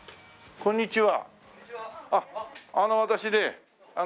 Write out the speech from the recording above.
こんにちは。